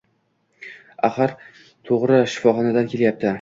Axir, to‘g‘ri shifoxonadan kelyapti.